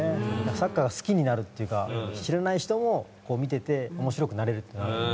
サッカーが好きになるというか知らない人も見てて面白くなれるというか。